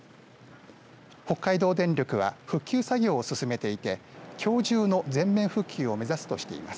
北海道電力は復旧作業を進めていてきょう中の全面復旧を目指すとしています。